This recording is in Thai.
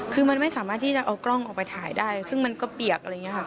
คือมันไม่สามารถที่จะเอากล้องออกไปถ่ายได้ซึ่งมันก็เปียกอะไรอย่างนี้ค่ะ